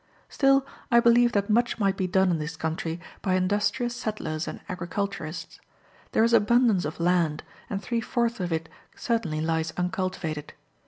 Still I believe that much might be done in this country by industrious settlers and agriculturists. There is abundance of land, and three fourths of it certainly lies uncultivated.